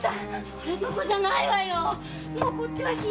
それどこじゃないわよ。